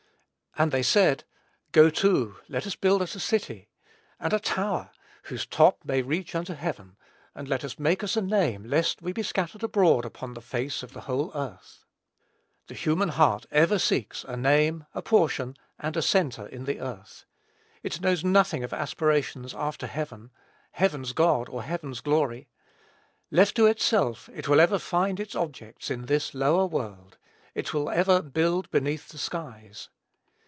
And they said, Go to, let us build us a city, and a tower, whose top may reach unto heaven; and let us make us a name, lest we be scattered abroad upon the face of the whole earth." The human heart ever seeks a name, a portion, and a centre in the earth. It knows nothing of aspirations after heaven, heaven's God, or heaven's glory. Left to itself, it will ever find its objects in this lower world; it will ever "build beneath the skies."